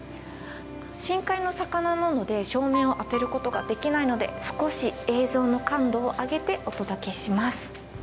深海の魚なので照明を当てることができないので少し映像の感度を上げてお届けします。